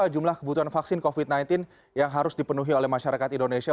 jumlah kebutuhan vaksin covid sembilan belas yang harus dipenuhi oleh masyarakat indonesia